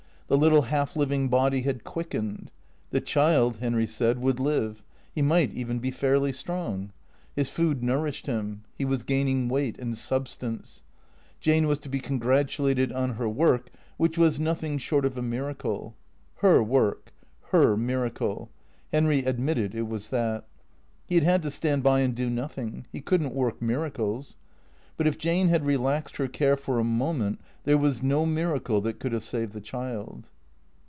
The little half living body had quickened. The child, Henry said, would live; he might even be fairly strong. His food nourished him. He was gaining weight and substance. Jane was to be congratulated on her work which was nothing short of a miracle. Her work ; licr miracle; Henry admitted it was that. He had had to stand by and do nothing. He could n't work miracles. But if Jane had relaxed her care for a moment there was no miracle that could have saved the child.